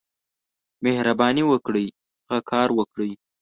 مهرباني وکړئ، هغه کار وکړئ.